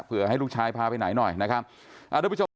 เผื่อให้ลูกชายพาไปไหนหน่อยนะครับ